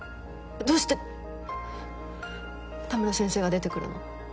どうして田村先生が出てくるの？